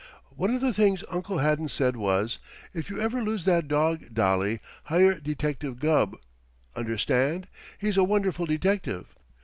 "One of the things Uncle Haddon said was, 'If you ever lose that dog, Dolly, hire Detective Gubb. Understand? He's a wonderful detective.